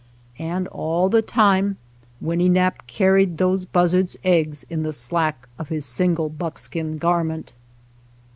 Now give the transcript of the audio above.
And all the time 93 SHOSHONE LAND Winnenap' carried those buzzard's eggs in the slack of his single buckskin garment